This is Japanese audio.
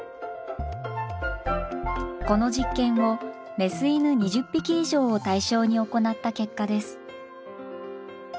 この実験をメス犬２０匹以上を対象に行った結果です。